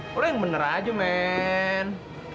lo yang bener aja men